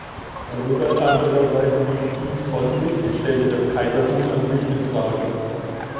Robert andererseits wies dies von sich und stellte das Kaisertum an sich in Frage.